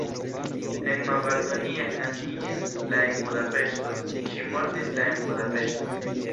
Emma Bartoniek naskiĝis la en Budapeŝto, ŝi mortis la en Budapeŝto.